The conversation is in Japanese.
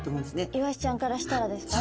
イワシちゃんからしたらですか？